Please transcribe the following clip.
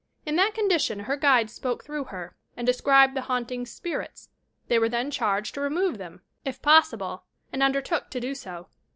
In that con dition her guides spohe through her and described tlie haunting "spirits." They were then charged to remove them, if possible, and undertook to do so.